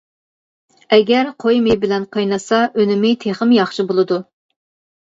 ئەگەر قوي مېيى بىلەن قايناتسا ئۈنۈمى تېخىمۇ ياخشى بولىدۇ.